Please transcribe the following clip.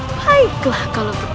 baiklah kalau begitu